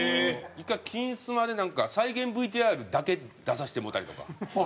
１回『金スマ』でなんか再現ＶＴＲだけ出させてもろたりとか。